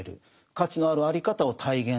価値のあるあり方を体現する。